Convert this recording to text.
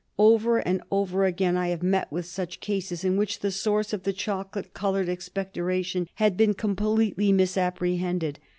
Over and over again I have met with such cases in which the source of the chocolate coloured expectoration had been completely misapprehended.